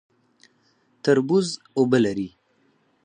تربوز اوبه لري